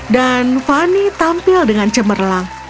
dan fanny tampil dengan cemerlang